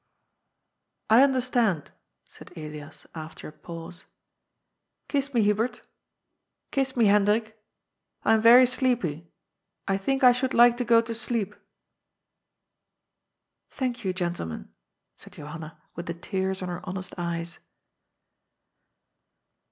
^ I understand," said Elias after a pause. Kiss me, Hubert Kiss me, Hendrik. I am yery sleepy. I think I should like to go to sleep." "' Thank you, gentlemen," said Johanna with the tears in her honest eyes.